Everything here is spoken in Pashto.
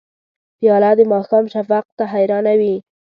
پیاله د ماښام شفق ته حیرانه وي.